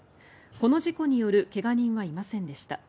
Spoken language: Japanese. この事故による怪我人はいませんでした。